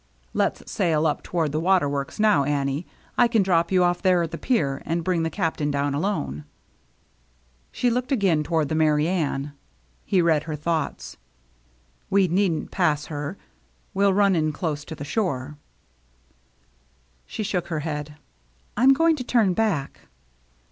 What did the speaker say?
" Let's sail up toward the water works now, Annie. I can drop you off there at the pier, and bring the Captain down alone.'* She looked again toward the Merry Anne. He read her thoughts. " We needn't pass near her. We'll run in close to the shore." She shook her head. " I'm going to turn back."